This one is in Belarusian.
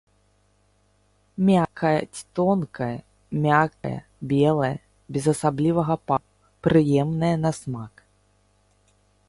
Мякаць тонкая, мяккая, белая, без асаблівага паху, прыемная на смак.